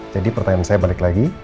jadi pertanyaan saya balik lagi